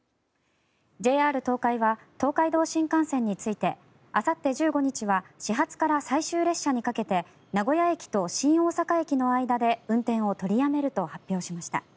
ＪＲ東海は東海道新幹線についてあさって１５日は始発から最終列車にかけて名古屋駅と新大阪駅の間で運転を取りやめると発表しました。